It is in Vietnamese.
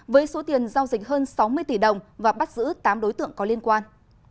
với số tiền giao dịch hơn sáu mươi tỷ đồng và bắt giữ tám đối tượng có liên quan